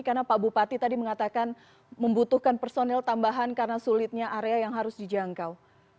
karena pak bupati tadi mengatakan membutuhkan personel tambahan karena sulitnya area yang harus dijangkau